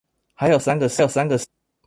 還有三個十